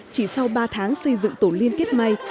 chỉ sau ba tháng xây dựng tổ liên kết may